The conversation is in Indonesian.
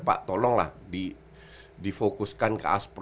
pak tolonglah difokuskan ke a tiga